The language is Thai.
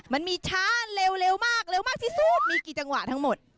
มันมีช้าเร็วมากที่สู้มีกี่จังหวะทั้งหมด